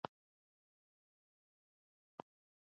هغه د اهدافو اهمیت روښانه کړ.